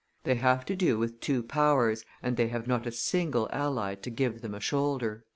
They have to do with two powers, and they have not a single ally to give them a shoulder."